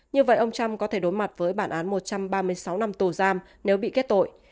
như vậy ông trump có thể đối mặt với bản án một trăm ba mươi sáu năm tù giam nếu bị kết tội